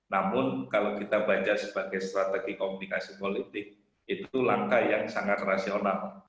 namun kalau kita baca sebagai strategi komunikasi politik itu langkah yang sangat rasional